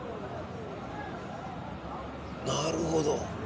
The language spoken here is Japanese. なるほど。